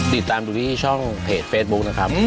ติดตามดูที่ช่องเพจเฟซบุ๊คนะครับ